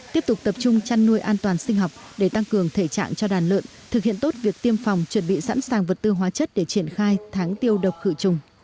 tiếp tục tập trung chăn nuôi an toàn sinh học để tăng cường thể trạng cho đàn lợn thực hiện tốt việc tiêm phòng chuẩn bị sẵn sàng vật tư hóa chất để triển khai tháng tiêu độc khử trùng